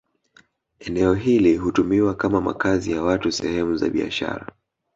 Eneo hili hutumiwa kama makazi ya watu sehemu za biashara